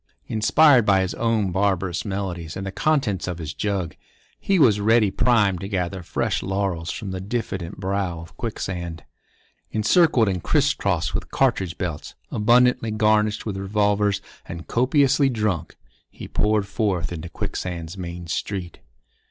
Inspired by his own barbarous melodies and the contents of his jug, he was ready primed to gather fresh laurels from the diffident brow of Quicksand. Encircled and criss crossed with cartridge belts, abundantly garnished with revolvers, and copiously drunk, he poured forth into Quicksand's main street.